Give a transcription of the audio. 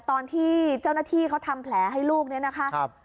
ตอนที่เจ้าหน้าที่เขาทำแผลให้ลูกเนี่ยนะคะ